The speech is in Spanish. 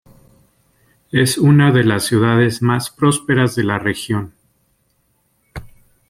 Es una de las ciudades más prósperas de la región.